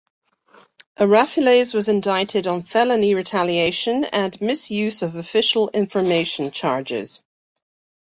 Arafiles was indicted on felony retaliation and misuse of official information charges.